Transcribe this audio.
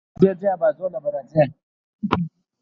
چې ځې، ځې ابازوی ته به راځې.